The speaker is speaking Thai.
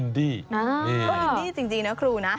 ก็อินดี้จริงนะครูนะ